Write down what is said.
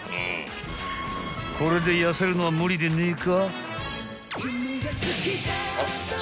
［これで痩せるのは無理でねえか？］